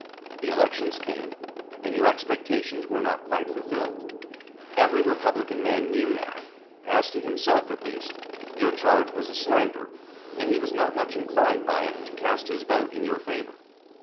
The elections came, and your expectations were not quite fulfilled. Every Republican man knew that, as to himself at least, your charge was a slander, and he was not much inclined by it to cast his vote in your favor.